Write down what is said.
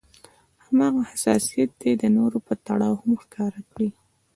هماغه حساسيت دې د نورو په تړاو هم ښکاره کړي.